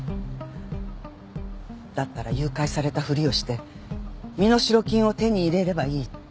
だったら誘拐されたふりをして身代金を手に入れればいいって。